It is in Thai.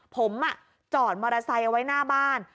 ผมจอดมอเตอร์ไซค์เอาไว้หน้าบ้าน